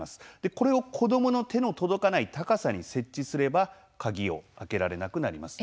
これを、子どもの手の届かない高さに設置すれば鍵を開けられなくなります。